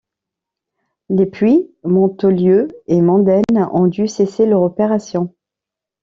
Les puits Montolieu et Modène ont dû cesser leur opération.